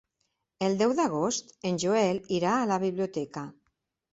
El deu d'agost en Joel irà a la biblioteca.